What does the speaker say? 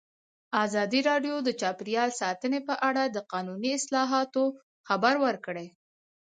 ازادي راډیو د چاپیریال ساتنه په اړه د قانوني اصلاحاتو خبر ورکړی.